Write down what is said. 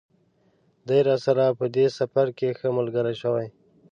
دی راسره په دې سفر کې ښه ملګری شوی.